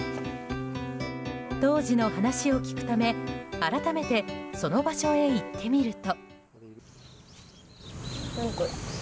当時の話を聞くため、改めてその場所へ行ってみると。